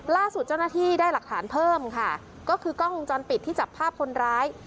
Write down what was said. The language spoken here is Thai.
ล่าสุดเจ้าหน้าที่ได้หลักฐานเพิ่มค่ะก็คือกล้องวงจรปิดที่จับภาพคนร้าย